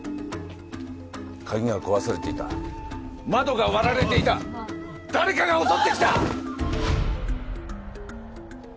鍵が壊されていた窓が割られていた誰かが襲ってきたああっ！